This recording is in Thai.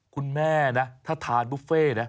คุณแม่นะถ้าทานบุฟเฟ่นะ